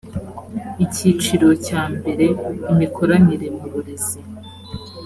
icyiciro cyambere imikoranire mu burezi